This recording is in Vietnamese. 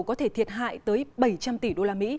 có thể thiệt hại tới bảy trăm linh tỷ usd